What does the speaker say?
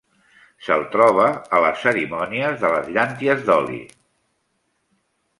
Se'l troba a les cerimònies de les llànties d'oli.